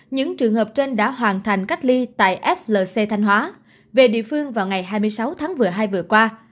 những trường hợp trên đã hoàn thành cách ly tại flc thanh hóa về địa phương vào ngày hai mươi sáu tháng một mươi hai vừa qua